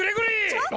ちょっと！